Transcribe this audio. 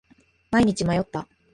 毎日迷った。